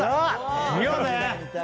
見ようぜ！